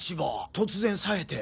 突然冴えて。